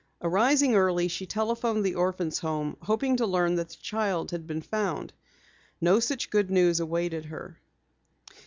Arising early, she telephoned the Orphans' Home, hoping to learn that the child had been found. No such good news awaited her.